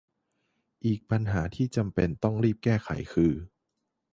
อีกปัญหาที่จำเป็นต้องรีบแก้ไขคือ